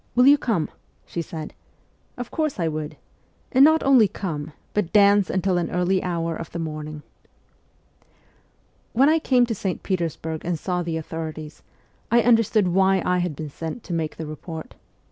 Will you come ?' she said. Of course I would ! And not only come, but dance until an early hour of the morning. When I came to St. Petersburg and saw the authorities, I understood why I had been sent to make the report.